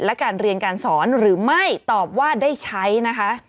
และการเรียนการสอนหรือไม่ตอบว่าได้ใช้นะคะ